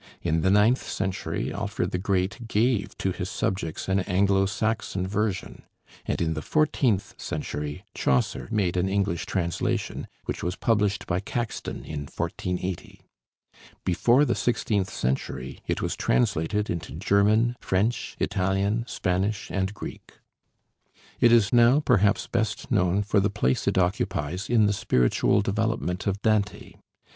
In the ninth century Alfred the Great gave to his subjects an Anglo Saxon version; and in the fourteenth century Chaucer made an English translation, which was published by Caxton in 1480. Before the sixteenth century it was translated into German, French, Italian, Spanish, and Greek. It is now perhaps best known for the place it occupies in the spiritual development of Dante.